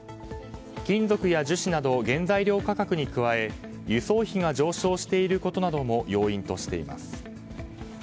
金属や樹脂など原材料価格に加え輸送費が上昇していることなども要因としています。